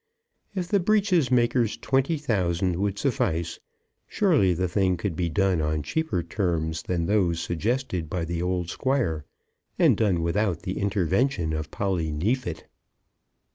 If the breeches maker's twenty thousand would suffice, surely the thing could be done on cheaper terms than those suggested by the old Squire, and done without the intervention of Polly Neefit!